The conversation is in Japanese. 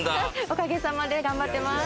おかげさまで頑張ってます。